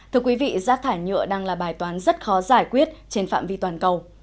thưa quý vị rác thải nhựa đang là bài toán rất khó giải quyết trên phạm vi toàn cầu